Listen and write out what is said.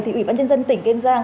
thì ủy ban nhân dân tỉnh kiên giang